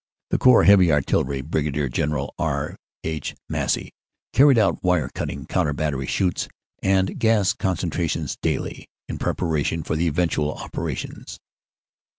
The Corps Heavy Artillery (Brig. General R. H. Massie) carried out wire cutting counter battery shoots and gas concentrations daily, in preparation for the eventual opera tions.